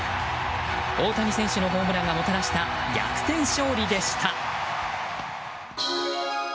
大谷選手のホームランがもたらした逆転勝利でした。